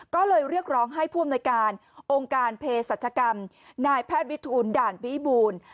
ก็เลยเรียกร้องให้ผู้อำนวยการองค์การเพศรัชกรรมนายแพทย์วิทูลด่านวิบูรณ์